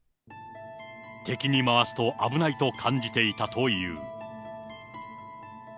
敵に回すと危ないと感じていたという。